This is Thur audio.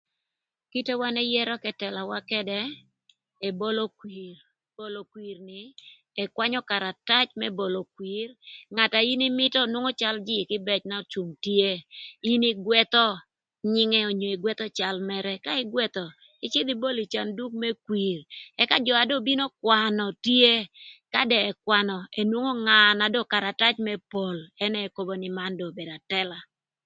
Kite na wan ëyërö k'ëtëlawa ködë ebolo kwir bolo kwir ni ëkwanyö karatac bolo kwir ngat na in ïmïtö nwongo cal ka jïï kïbëc n'ocung tye in ïgwëthö nyïngë onyo ïgwëthö cal mërë ka ïgwëthö ïcïdhö ibolo ï canduk më kwïr ëka jö na dong bino kwanö tye ka dong ëkwanö enwongo nga na dong karatac mërë pol ënë ekobo nï man dong obedo atëla